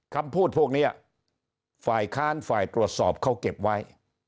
คำพูดพวกนี้ฝ่ายค้านฝ่ายตรวจสอบเขาเก็บไว้